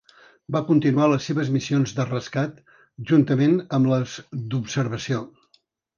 Va continuar les seves missions de rescat juntament amb les d'observació.